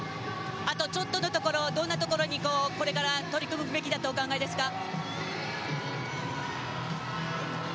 あとちょっとのところどんなところにこれから取り組むべきだとお考えですか？